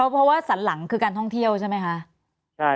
เพราะว่าสันหลังคือการท่องเที่ยวใช่ไหมคะ